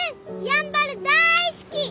やんばる大好き！